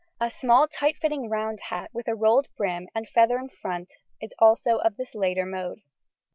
A small tight fitting round hat with a rolled brim and a feather in front is also of this later mode.